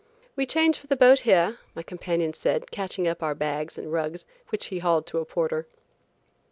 "We change for the boat here," my companion said catching up our bags and rugs, which he hauled to a porter.